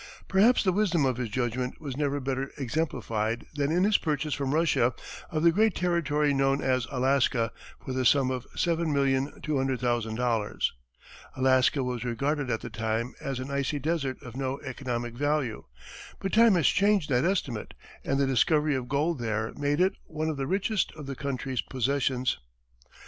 Perhaps the wisdom of his judgment was never better exemplified than in his purchase from Russia of the great territory known as Alaska, for the sum of $7,200,000. Alaska was regarded at the time as an icy desert of no economic value, but time has changed that estimate, and the discovery of gold there made it one of the richest of the country's possessions.